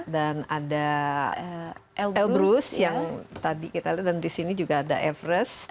dan ada elbrus yang tadi kita lihat dan disini juga ada everest